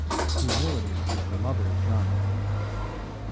Humility is the mother of giants.